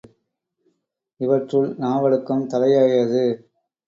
இவற்றுள் நாவடக்கம் தலையாயது.